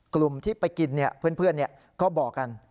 กลุ่มที่ไปกินเพื่อนก็บอกกัน